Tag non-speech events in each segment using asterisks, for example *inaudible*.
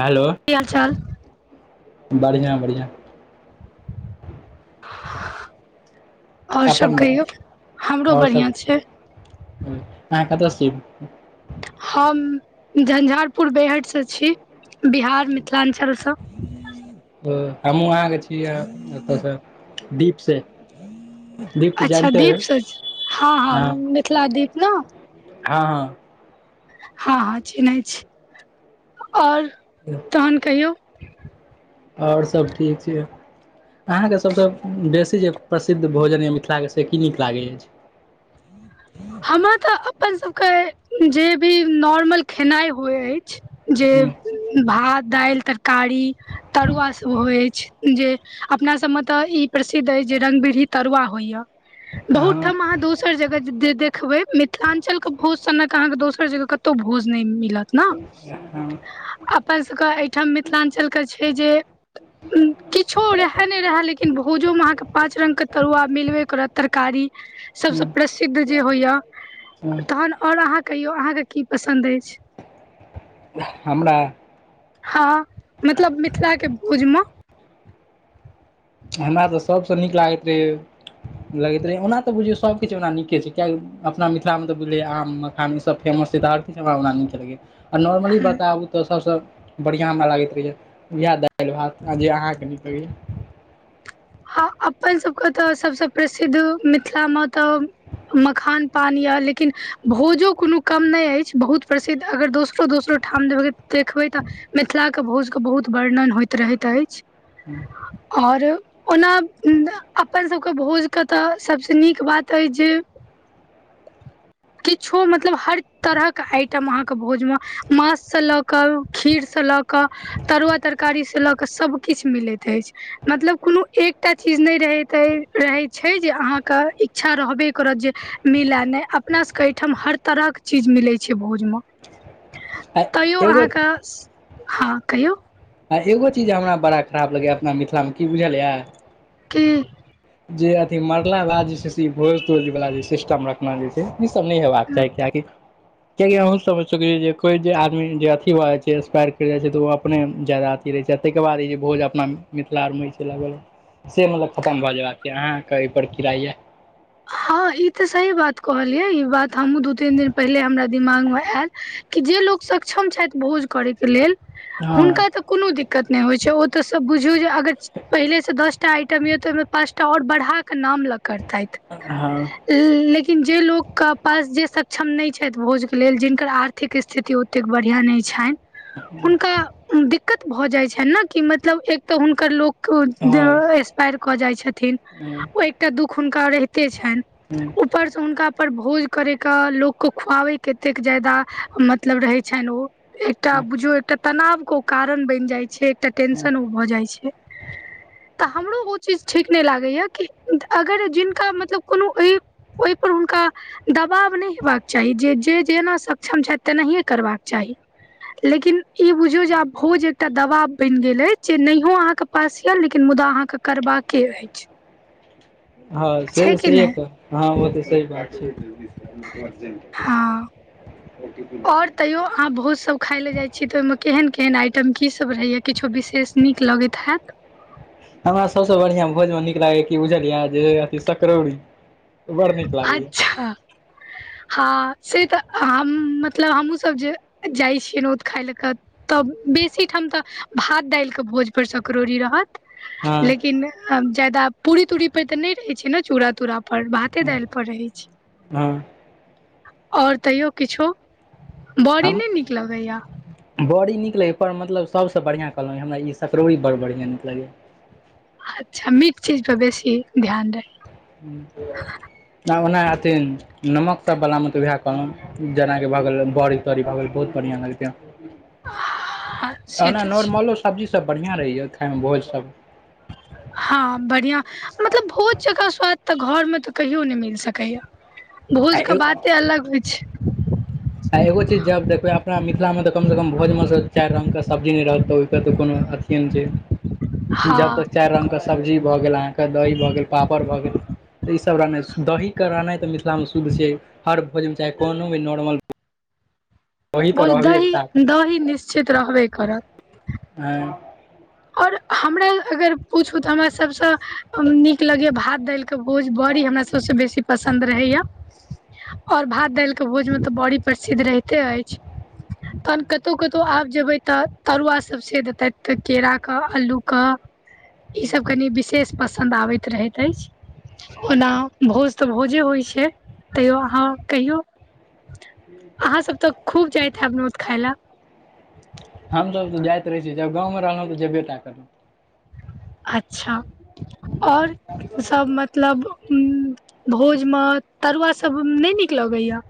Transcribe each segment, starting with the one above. Hello की हाल चाल बढ़िआ बढ़िआ आओर सभ अपन कहियौ बताउ हमरो आओर सब बढ़िआँ छै। अहाँ कतऽ सँ छी हम झंझारपुर बेहटसँ छी बिहार मिथिलाञ्चलसँ। ओ हमहूँ अहाँके छी यै एतयसँ दीपसँ। अच्छा दीपसँ हँ हँ मि मिथिला दीप ने। हँ हँ हँ हँ चिन्है छी आओर हँ तहन कहियौ। आओर सभ ठीक छै। अहाँके सभसँ बेसी जे प्रसिद्ध भोजन यऽ मिथिलाके से की नीक लागै अछि। हमरा तऽ अपनसभके जे भी नॉर्मल खेनाइ होइ अछि। जे भात दाइल तरकारी तरुआ सेहो अछि। जे अपना सभ में तऽ ई प्रसिद्ध अछि जे रंग बिरही तरुआ होइए बहुत ठाम अहाँ दोसर जगह जे देख दे देखबय मिथिलाञ्चल केँ भोज सनक अहाँ के दोसर जगह कतहु भोज नहि मिलत ने न हँ एकदम नै अप्पन सभ के एहिठाम मिथिलाञ्चलके छै। जे उम किछो रहे नहि रहे लेकिन भोजो मे अहाँ के पाँच रंग के तरुआ मिलबे करत तरकारी सभसँ प्रसिद्ध जे होइए तहन आओर अहाँ कहियौ अहाँके की पसन्द अछि। हमरा हँ मतलब मिथिला के भोज में हमरा तऽ सभ सँ नीक लागैत रहै लगैत रहै ओना तऽ बुझियौ सभ कछु ओना नीके छै। किएकि अपना मिथिला में तऽ बुझलियै आम मखान ई सभ फेमस छै। तऽ हर चीज हमरा नीक लगैए आ नॉर्मली बताबू तऽ सभ सँ बढ़िया हमरा लागैत रहैया इएह दायल भात जे अहाँके नीक लगैया हँ अप्पन सभ के तऽ सभ सँ प्रसिद्ध मिथिला में तऽ मखान पान ये लेकिन भोजो कोनो कम नहि अछि। बहुत प्रसिद्ध अगर दोसरो दोसरो ठाम देखबै तऽ मिथिला के भोज के बहुत वर्णन होइत रहैत अछि। हा आओर ओना अपन अपन सभ के भोज के तऽ सभ सँ नीक बात अछि। जे किछु मतलब हर तरहक आइटम अहाँके भोज में मास सँ लऽ क खीरसँ लऽ कऽ क तरुआ तरकारी से लऽ क सभ कछु मिलैत अछि। मतलब एक टा चीज नहीं रह तय रहय छै। अहाँ के इच्छा रहबे करत मिला नहि अपना सभ के एहिठाम हर तरहके चीज मिलै छै। भोज में आ तैयो एगो अहाँ के हँ कहियौ आ एगो चीज हमरा बड़ा खराब लगैया अपना मिथिला में की बुझलियै की जे अथी मरला बाद जे छै से ई भोज तोज वाला जे सिस्टम रखना जे ई सब नय हेबाक चाही कियकि कियाकि अहूं *unintelligible* जे कोई जे आदमी जे अथी भ जाइ छै इस्पायर कर जाइ छै त ओ अपने जैदाद अथी रहै छै तइके बाद ई जे भोज अपना मिथिला आर मे छै लगल से मतलब खतम भ जेयबाक कि अहाँके ओहिपर की राय यऽ हँ ई तऽ सही बात कहलियै ई बात हमहूँ दू, तीन दिन पहिले हमरा दिमाग मे आयल त जे लोग सक्षम छथि भोज करै के लेल हँ हुनका तऽ कोनो दिक्कत नय होइ छै ओ तऽ सब बुझू जे अगर पहिले से दसटा आ टम य तऽ ओहिमे पाँच टा आओर बढ़ाकऽ नाम लऽ करतथि हँ इ लेकिन जे लोग के पास, जे सक्षम नय छथि भोज के लेल, जिनकर आर्थिक स्थिति ओ तेक बढ़िआँ नय छनि हुनका दिक्कत भऽ जाइ छनि न कि मतलब एक तऽ हुनकर लोक हँ कऽ एक्सपायर कऽ जाइ छथिन, ओ एकटा दुःख हुनका रहिते छनि ऊपर स हुनका पर भोज करै क लोकके खुआबै के एतेक ज्यादा मत लब रहै छनि ओ एकटा बुझियौ, एकटा तनाव के ओ कारण बनि जाइ छै एकटा टेंशन ओ भऽ जाइ छै तऽ हमरो ओ चीज ठीक नय लागैय कि अगर जिनका मत लब कोनो ओ ओहिपर हुनका दबाव नय हेबाक चाही जे जे जेना सक्षम छथि तेनाहिए करबाक चाही लेकिन ई बुझियौ जे आब भोज एकटा दबाव बनि गेल अछि। जे नहियो अहाँके पास यल लेकिन मुदा अहाँके करबाके अछि हँ से छै कि नहि स हँ ओ तऽ सही बात छै ओ टी पी आओर तैयो अहाँ भोज सब खाय ले जाय छि त ओहि मे केहन केहन आइटम की सब रहैय किछो विशेष नीक लगति हेऽत हमरा सभसँ बढ़िआँ भोज मे नीक लागैया कि बुझलियै जे अथी सकरौरी बड़ नीक लागैए अच्छा हँ से तऽ हम मतलब हमहूँ सब जे जाइ छियै नोत खाय लए कऽ तऽ बेसी ठाम तऽ भात-दालिकेऽ भोज पर सकौड़री रहत हँ लेकिन जादा पूरी-तूरी पर तऽ नय रहै छै ने, चूड़-तूरा पर भा ते दायल पर रहै छै हँ और तैयो किछो बड़ी हम नय नीक लगैय बड़ी नीक लैया पर मतलब सभसँ बढ़िआँ कहलहुँं हमरा ई सकड़ौरी बड़ बढ़िआँ नीक लगैए अच्छा मीठ चीजपर बेसी ध्यान रहैय न ओना अथिन नमकसभ वलामे तऽ उएह कहलहुँ जेनाकि भऽ गेल बड़ी तड़ी भऽ गेल बहुत बढ़िआ लगतै ह ओना नॉर्मलो सब्जीसभ बढ़िआँ रहैए खायमे भोज सभ हँ बढ़िया मतलब भोज जका स्वाद तऽ घर मे तऽ कहियो नय मिल सकैया आ भोज के बाते अलग होइ छै आइ एगो चीज जब देखबै अपना मिथिला मे तऽ कम से कम भोज मे चारि रंग के सब्जी नय रहत त ओहि के तऽ कोनो अथि ये न छै जब हँ तक चारि रंग क सब्जी भऽ गेल अहाँके दही भऽ गेल पापड़ भऽ गेल तऽ ई सब रहनाइ दही के रहनाइ तऽ मिथिला मे शुद्ध छै हर भोजन मे चाहे कोनो भी नॉर्मल दही तऽ बोलथि रहबे एकटाके दही दही निश्चित रहबे करत आई आओर हमरा अगर पुछू तऽ हमरा सभसँ नीक लगैए भात दालिके भोज बड़ी हमरा सभसँ बेसी पसन्द रहैया ओर भात दालि के भोज मे तऽ बड़ी प्रसिद्ध रहिते अछि तहन कतहु कतहु आब जेबै तऽ तरुआ सभ से देतै तऽ केरा के अलू के ई सभ कनी विशेष पसन्द आबैत रहैत अछि ओना भोज त भोजे होइ छै तैयो अहाँ कहियौ अहाँ सभ तऽ खूब जाइत है नोत खाय लए हमस तऽ जाइत रहै छी जब गाव मे रहलहुँ तऽ जेबे टा करलहु अच्छा ओर सभ मतलब भोजमे तरुआ सभ नहि नीक लगैया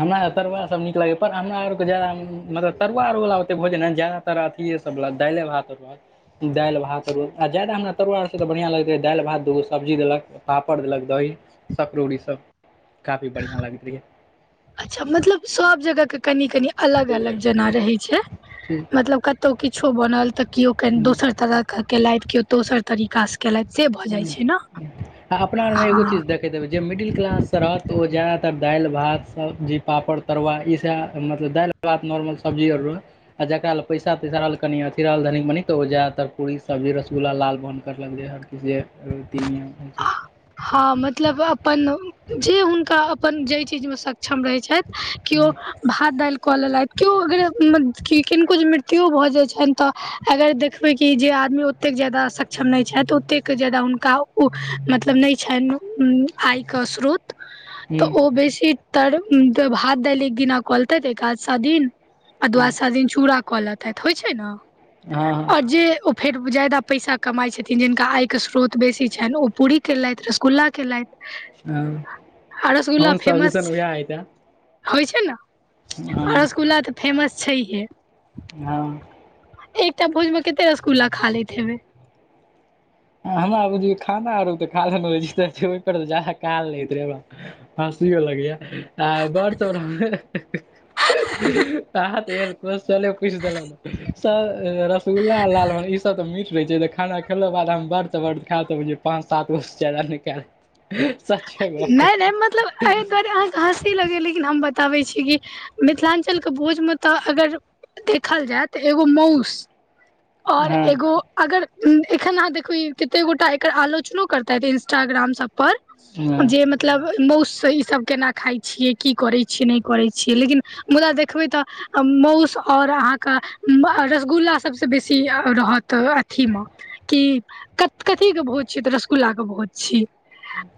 हमरा तरुआ सभ नीक लागैए पर हमरा आरके जादा मतलब तरुआ अरुवला ओतेक भोजन जादा अथे सभ दालि भात आर भात दालि भात तर आर जादा हमरा तरुआर तऽ बढ़िआ लगैत रहै दालि भात दूगो सब्जी देलक पापड़ देलक दही सकरड़ूड़ी सभ काफी बढ़िया लगैत रहहिय अच्छा मतलब सभ जगह के कनि कनि अलग अलग जेना रहैत छै मतलब कतहु किछो बनल तऽ केओ कनि ठीक दोसर तरह के केलथि केओ दोसर तरीका स केलबसँ आ अपना आरमे एगो चीज देखैत देबै जे मिडिल क्लास जाादातर दालि भात सब्जी पापड़ तरुआ ई सभ मतलब दालि त नर्मल सब्जी र आ जकरा ल पैसा तैसा रहल कनि अथि रहल धनी मनी तऽ ओ जादातर पूरी सब्ज रसगल्ला लाल बन करलक ह जे तन। ह मतलब अपन जे हुनका अपन जाहि चीजमे सक्षम रहै छथि कियो हुँ भात दालि कऽ लेलथि केओ अगर किनको मृत्यो भऽ जाय छनि त अगर देखबै कि जे आदमी ओते कऽ जादा सक्षम नहि छथि ओतेक जादा हुनका ओ मतलब नहि छनि आय के स्रोत तऽ हुँ ओ बेसी तऽ भात दैल एक दिना कलतै एक आध स दिन आ दऽ आच सा दिन चूड़ा कला तात होई छै ने ह और जे ओ फेर जादा पैसा कमायई छथिन जिनका आय के स्रोत बेसी छै ओ पूरी केलथि रसगुल्ला केलथि आ हँ सजेशन उह ह त होई छै ने रसगुल्ला तऽ फेमस छै हे ह एकटा भोज मे कते रसगुल्ला खा लेबे हेबे हम खाना आर खहि कऽ रहैरा हसियो लगैया आ बड़ चौरा मे तह तऽ एर को चल पुछि देल ने सर रसगुल्ला लालमोहन इ सभ तऽ मिठ रहे छैय तऽ खाना बात हम बर्द तऽ बर्द खा तो पाँच सात गो ज्यादा दा निकाल सचे मे कर छी हसी लगै यै लेकिन हम बताबै छी कि मिथिलांचलके भोजमे तऽ अगर देखल जै तऽ एगो मउस आओर हँ एगो अगर एखन अहाँ देखबे कते गोटा एकर आलोचनो करतैथ इंस्टाग्राम सब हँ पर जे मतब मतलब माउस इसब केना खाइ छियै की करै छियै नय करै छियै लेकिन मुदा देखबै तऽ मउस आओर अहाँके रसगुल्ला सब तऽ बेसी रहत अथी मे कि कत कथी के भोज छियै तऽ रसगुल्ला के भोज छियै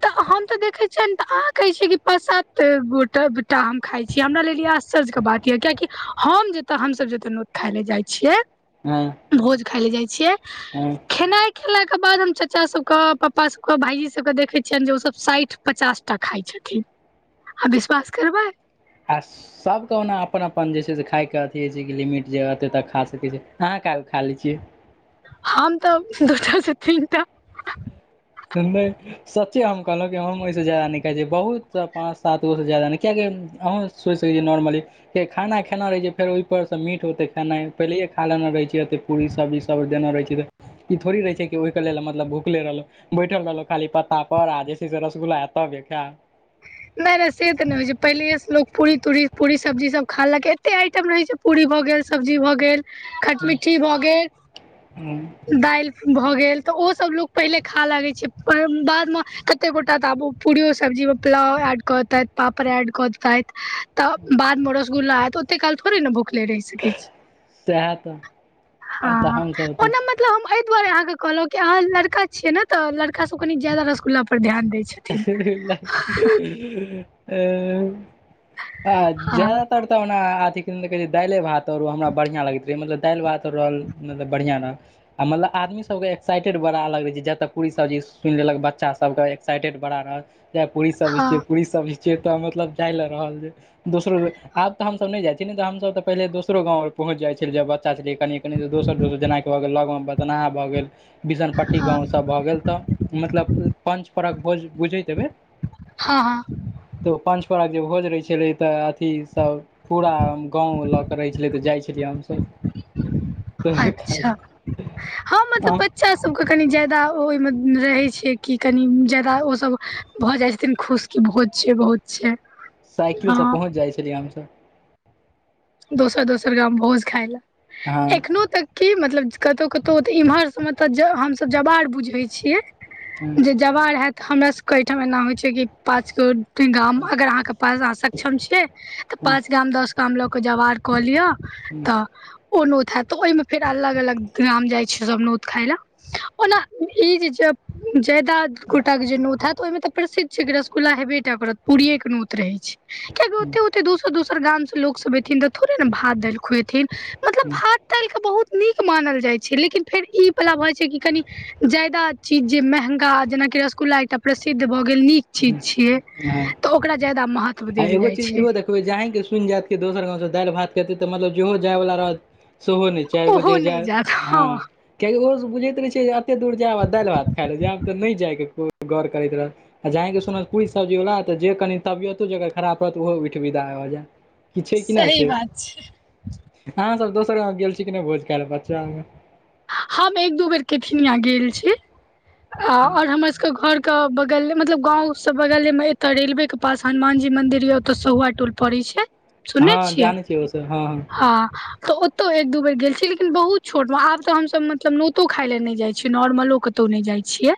तऽ हम तऽ देखै छियनि तऽ आ कहै छै कि पाँच सात गोटा हम खाइ छियै हमरा लागेय आश्चर्य के बात यऽ कियाकि हम तऽ हमसब जतऽ नौत खाय ले जाइ छियै। हाँ भोज खाइ लाए जाइ छियै हुँ खेनाइ खेलाके बाद हम चचा सबके पापा सबके भाइजी सबके देखै छियनि जे ओसभ साठि पचासटा खाइ छथि आब विश्वास करबै आस सभके ओना अपन अपन जे छै से खायके अथी होइ छै कि लिमिट जे एते तक खा सकै छै अहाँ कैगो खा लै छियै हम तऽ दूटा से तीन टा त‌ऽ नय सच्चे हम कहलौं की हम ओहिस ज्यदा नय खाय छीयै बहुत त पाँच सातगो से ज्यादा नय कियेकि अहुँ सोचि सकै छियै नाँर्मली फेर खाना खेन रहै छियै फेर ओहिपरसँ मीठ होते खेनाय पहिलैये खा लेने रहै छियै अते पूड़ी सब्जी सब देने रहै छियै तऽ ई थोड़ी रहै छै कि ओहिके लेल मतलब भूखले रहलौं बैठल रहलौं खाली पत्ता पर आ जे छै से रसगुल्ला ऐत तबै खैब नय नय से तऽ नय होइ छै पहिलैये लोक पूड़ी तूरी पूड़ी सब्जी सब खा लेलक एते आइटम रहै छै। पूड़ी भऽ गेल सब्जी भऽ गेल हुँ खट्टी-मीठी भऽ गेल हुँ दालि भऽ गेल तऽ ओसभ लोक पहिले खा लागै छै बाद मे एते गोटा तऽ आब ओ पूड़ीयो सब्जी मे पुलाव ऐड कऽ देतैथ पापड़ ऐड कऽ देतैथ तऽ बादमे रसगुल्ला आएत ओत एते काल थोड़े ने भूखले रहि सकै छी सएह तऽ तऽ हाँ हमसभ ओना मे मतलब हम एहि दुआरे अहाँकेँ कहलौं कि अहाँ लड़का छियै ने तऽ लड़का सब कनी ज्यादा रसगुल्ला पर ध्यान दै छै। आ हँ ज्यादा तर तब न आँहा ओना अथी कहै छै दालिए भात आओर हमरा बढ़ियाँ लगैत रहै मतलब दालिभातत ओर रहल मतलब बढ़ियाँ रहल आ मतलब आदमी सब के एक्साइटेड बड़ा अलग रहै छै जतऽ पूड़ी सब्जी सुनि लेलक बच्चा सब के एक्साइटेड बड़ा रहल चाहे पूड़ी सब्जी हँ छियै पूड़ी सब्जी छियै तऽ मतलब जाय लऽ रहल छै। दोसरो आब तऽ हमसब नय जाइ छियै नय तऽ हमसब तऽ पहिले दोसरो गाँव कर पहुँच जाइ छलियै बच्चा छेलियै कनिये कनिये दोसर दोसर जेना भऽ गेल लग मे बदना भऽ गेल बिसनपट्टी हँ गाँव सब भऽ गेल तऽ मतलब पञ्च परहक भोज बुझैत हैबै। हाँ हाँ तऽ पञ्च परहक जे भोज रहै छलै तऽ अथी सब पूरा गाँव लऽ कऽ रहै छलै तऽ जाइ छेलियै हमसब अच्छा हम मतलब छल बच् बच्चा सभके कनी ज्यादा ओहिमे रहै छै कि कनी ज्यादा ओसभ भऽ जाइ छथिन खुश की भोज छै भोज छै। साइकिलसँ हँ पहुँच जाइ छलियै हमसभ दोसर दोसर गाम भोज खााय हँ लए एखनोहु तक की मतलब कतौ कतौ इम्हर सब तऽ हमस जवार बुझै छियै हँ जे जवार हेत त हमरा सबके एहिठाम एना होइ छै कि पाँच गो गाम अगर अहाँ के पास अ सक्षम छीये त हँ पांच गाम दस गाम ल के जवार कलिअ हँ तऽ ओ नोत हत तऽ ओहिमे फेर अलग अलग ग्राम जाइ छलौ नोत खाय लए ओना ई चीज जयदा गोटाक के जे नोत हेत तऽ ओहिमे तऽ प्रसिद्ध छै रसगु्ला हेबे पूरी के नोत रहै छै कियाकि हँ ओते ओे दोसर दोसर गाम से लोक सब न तऽ थोड़े ने भात दालि खुवेथिन मतलब हू भात दालि के बहुत नीक मानल जाइ छै लेकिन फेर ई बला बइ छै कि कनि ज्यादा चीज जे महंगा जेनाकि रसगुल्ला एकटा प्रसिद्ध भऽ गेल नीक हँ चीज छियै हँ तऽ ओकरा ज्यादा महत्व देल जाइ छै देख जहां की सुनि जाएत के दोसर गांव से दालि भात हेतै ते मतलब जहो जाय वाला रहत सेहो ने चारि गो ओहो जे जा नहि जादा हँ किआकि ओहो सब बुझैत रहै छै जे एते दूर जायब आ दालि भात खााय ले जायब तऽ नहि जाय के कोइ गौर करैत रहत आ जाहांकी सुनत पुरी सब्जी वाला तऽ जे कनी तबियतो जकर खराब रहत ओहो उठि के विदा भऽ जाएत क छै कि नहि सही से बात छै अहाँ सब दोसर गांव गेल छी कि नहि भोज खायल बच्चा हम एक दू बेर केथिनिया गेल छी और हमर सबके घर के बगल मतलब गांव से बगले मे एत रेलवे के पास हनुमान जी मदिर या ओतऽ सहुआ टोल पड़ै छै सुनने हँ छियै जाने छिय ओ से हँ हँ हँ तऽ ओतौ एक दू बेर गेल छीिय लेकिन बहुत छोट मे आब तऽ हमसभ मतलब नोतो खाय लए नहि जाइ छीयै नॉमर्लो क कतहु नहि जाइ छियै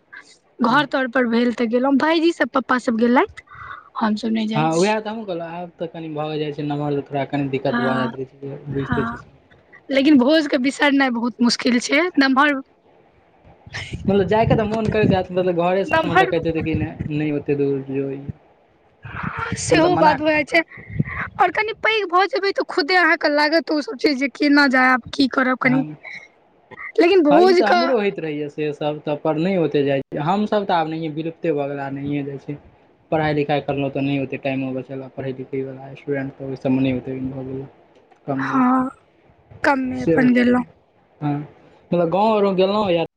घर हँ तौर पर भेल तऽ गेलहु भायजी सब पापा सब गेलथि हमसब नहि जाइ हँ छी उएह तऽ हमहूँ कहलहुँ आब तऽ कनि भऽ जाइ छै नमहर थोड़ा कनि दिक्कत भऽ हँ जाइत रहै छै बुझिते हँ छै लेकिन भोज के बिसरनाइ बहुत मुश्किल छै नमहर मतलब जायके तऽ मोन करैतत मलब घरे मतलब नमहर कहै छै नहि नहि ओते दूर जो मतलब सेहो मना बात भ जाय छै आओर कनि पैघ भऽ जेबै तऽ खुदे अहाँके लागत ओसभ चीज जे केना जायब की करब कनि हम लेकिन हँ ई भोज तऽ कऽ हमरो होइ रहहिय से सब त पर नहि होते जाइ हमसभ तऽ आब नहि विलुप्ते भऽ गेल नहि जाइ छी पढ़ाइ लिखाइ करलोऽ नहि ओते टाइम बचल पढ़इ लिख वला समानै गेल *inaudible* कम भेल हँ कममे अपन गेलहुँं हँ गांधी आओर गेलौ